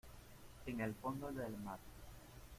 en el fondo del mar.